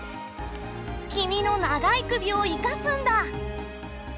君の長い首を生かすんだ。